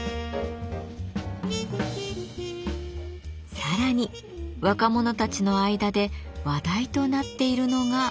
さらに若者たちの間で話題となっているのが。